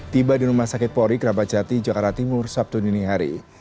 tiba di rumah sakit pori kramacati jakarta timur sabtu dinihari